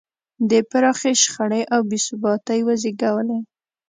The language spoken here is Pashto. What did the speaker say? دې پراخې شخړې او بې ثباتۍ وزېږولې.